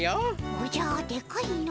おじゃでかいの。